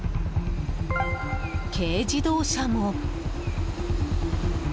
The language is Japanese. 軽自動車も。